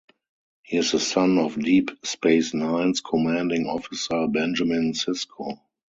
He is the son of Deep Space Nine's commanding officer, Benjamin Sisko.